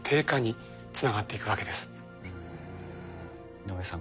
井上さん